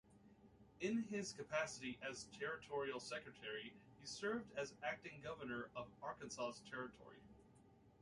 In his capacity as territorial secretary, he served as acting Governor of Arkansas Territory.